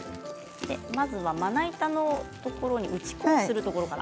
まずは、まな板のところに打ち粉をするところから。